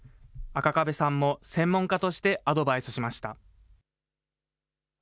赤壁さんも専門家としてアドバイスしました。